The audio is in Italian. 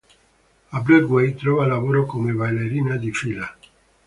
A Broadway, trova lavoro come ballerina di fila.